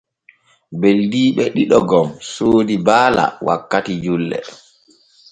Beldiiɓe ɗiɗo gom soodii baala wakkati julɗe.